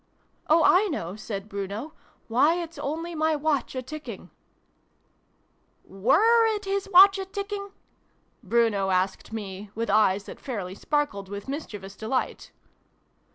' Oh, I know !' said Bruno. ' Why, it's only my Watch a ticking !'' "Were it his Watch a ticking?" Bruno asked me, with eyes that fairly sparkled with mischievous delight.